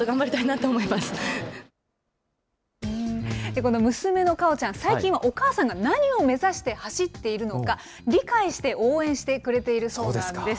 この娘の果緒ちゃん、最近はお母さんが何を目指して走っているのか、理解して応援してくれているそうなんです。